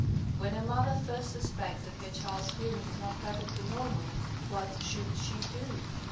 When a mother first suspects that her child's hearing is not perfectly normal, what should she do?